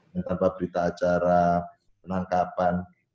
yang tanpa berita acara penangkapan